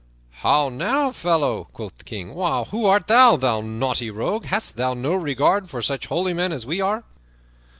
"How now, fellow," quoth the King, "who art thou, thou naughty rogue? Hast thou no regard for such holy men as we are?"